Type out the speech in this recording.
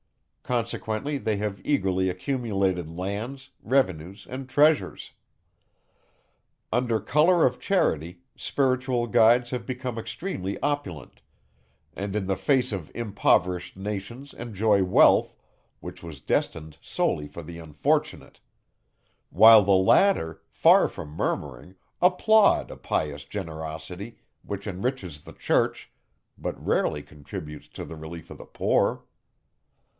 Consequently they have eagerly accumulated lands, revenues, and treasures. Under colour of charity, spiritual guides have become extremely opulent, and in the face of impoverished nations enjoy wealth, which was destined solely for the unfortunate; while the latter, far from murmuring, applaud a pious generosity, which enriches the church, but rarely contributes to the relief of the poor.